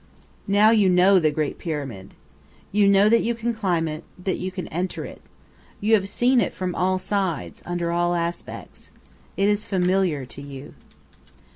Now you know the Great Pyramid. You know that you can climb it, that you can enter it. You have seen it from all sides, under all aspects. It is familiar to you.